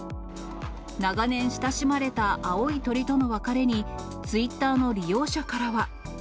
長年親しまれた青い鳥との別れに、ツイッターの利用者からは。